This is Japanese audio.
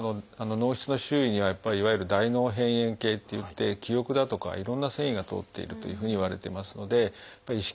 脳室の周囲にはいわゆる「大脳辺縁系」っていって記憶だとかいろんな線維が通っているというふうにいわれてますので意識